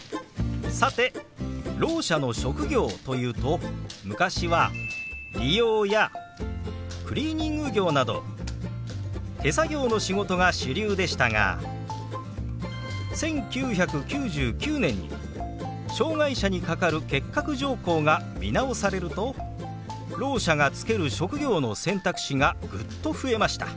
さてろう者の職業というと昔は理容やクリーニング業など手作業の仕事が主流でしたが１９９９年に「障害者に係る欠格条項」が見直されるとろう者が就ける職業の選択肢がぐっと増えました。